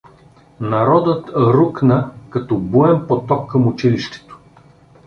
Народът рукна като буен поток към училището.